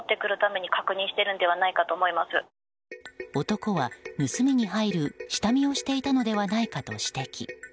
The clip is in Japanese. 男は盗みに入る下見をしていたのではないかと指摘。